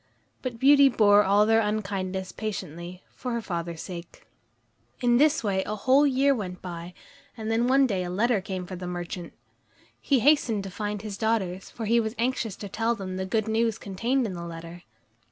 But Beauty bore all their unkindness patiently, for her father's sake. In this way a whole year went by, and then one day a letter came for the merchant. He hastened to find his daughters, for he was anxious to tell them the good news contained in the letter.